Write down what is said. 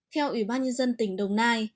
theo ủy ban nhân dân tỉnh đồng nai